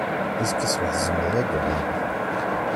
Azekka ṣṣbeḥ tzemreḍ ad d-tuɣaleḍ.